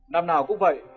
năm nào cũng vậy